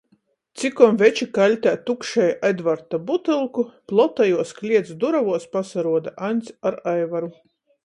Cikom veči kaļtē tukšej Edvarta butylku, plotajuos kliets durovuos pasaruoda Aņds ar Aivaru.